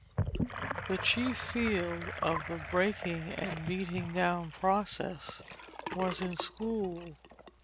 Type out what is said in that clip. The chief field of the "breaking and beating down" process was in school.